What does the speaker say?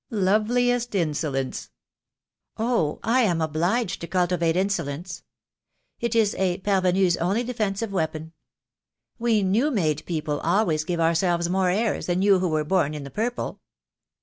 "Loveliest insolence!" "Oh, I am obliged to cultivate insolence. It is a parvenue's only defensive weapon. We new made people always give ourselves more airs than you who were born in the purple."